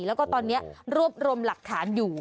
แล้วก็ตอนนี้รวบรวมหลักฐานอยู่